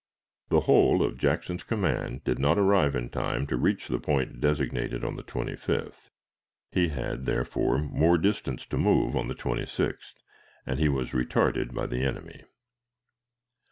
The whole of Jackson's command did not arrive in time to reach the point designated on the 25th. He had, therefore, more distance to move on the 26th, and he was retarded by the enemy.